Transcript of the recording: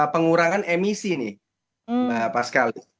pengurangan emisi nih mbak pascalli